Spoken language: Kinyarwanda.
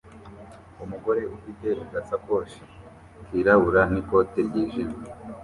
Umugore ufite agasakoshi kirabura n'ikote ryijimye